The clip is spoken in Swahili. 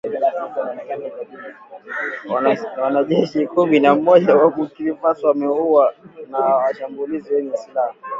Wanajeshi kumi na mmoja wa Burkina Faso wameuawa na washambulizi wenye silaha